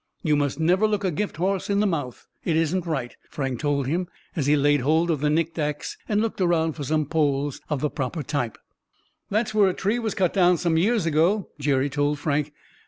"You must never look a gift horse in the mouth; it isn't right," Frank told him, as he laid hold of the nicked ax and looked around for some poles of the proper type. "There's where a tree was cut down some years ago," Jerry told Frank.